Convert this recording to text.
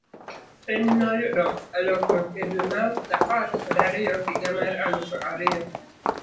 Piny noyudo lokruok e dwe mar apar kod ariyo higa mar elufu ariyo.